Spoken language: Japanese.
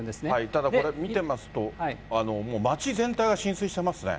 ただこれ、見てますと、もう町全体が浸水してますね。